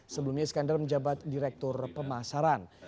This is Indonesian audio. sebelumnya iskandar menjabat direktur pemasaran